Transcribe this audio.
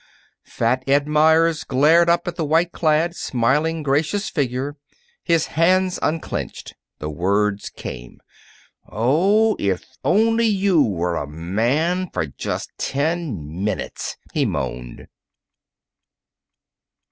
Fat Ed Meyers glared up at the white clad, smiling, gracious figure. His hands unclenched. The words came. "Oh, if only you were a man for just ten minutes!" he moaned.